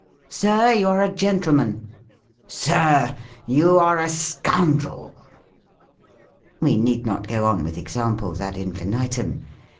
Sir, you are a gentleman !"" Sir, you are a scoundrel !" We need not go on with examples ad infinitum.